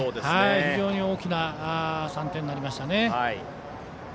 非常に大きな３点となりました。